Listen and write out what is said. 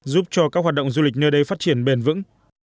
giúp cho các hoạt động du lịch nơi đây phát triển bền vững